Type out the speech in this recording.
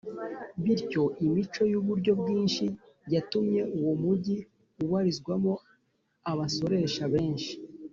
bityo imico y’uburyo bwinshi yatumye uwo mugi ubarizwamo abasoresha benshi